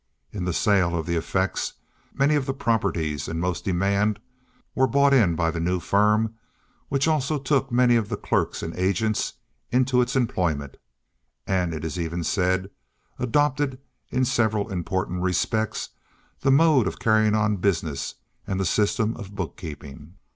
In the sale of the effects many of the properties in most demand were bought in by the new firm, which also took many of the clerks and agents into its employment, and it is even said adopted in several important respects the mode of carrying on business and the system of book keeping.